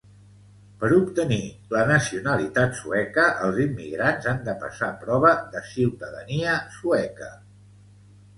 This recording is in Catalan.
Per obtenir la nacionalitat sueca els immigrants han de passar prova de ciutadania sueca